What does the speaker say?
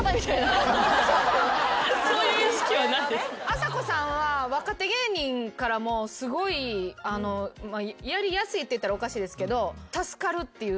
あさこさんは若手芸人からもすごいやりやすいって言ったらおかしいですけど助かるっていうのが。